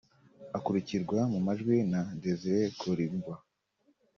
akurikirwa mu majwi na Désiré Kolingba